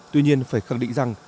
tuy nhiên phải khẳng định rằng